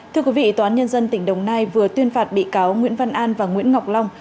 thưa quý vị tòa án nhân dân tỉnh đồng nai vừa tuyên phạt bị cáo nguyễn văn an và nguyễn ngọc long